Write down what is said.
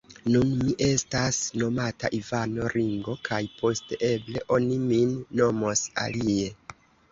Nun mi estas nomata Ivano Ringo kaj poste, eble, oni min nomos alie.